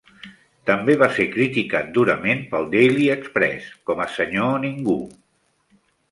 També va ser criticat durament pel "Daily Express" com a "Senyor Ningú".